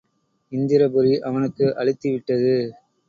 இந்திரபுரி அவனுக்கு அலுத்திவிட்டது.